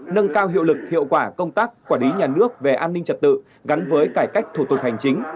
nâng cao hiệu lực hiệu quả công tác quản lý nhà nước về an ninh trật tự gắn với cải cách thủ tục hành chính